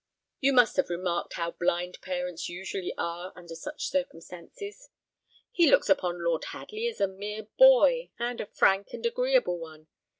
You must have remarked how blind parents usually are under such circumstances. He looks upon Lord Hadley as a mere boy, and a frank and agreeable one.